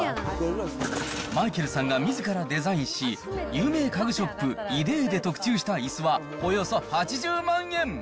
マイケルさんがみずからデザインし、有名家具ショップ、ＩＤＥＥで特注したいすは、およそ８０万円。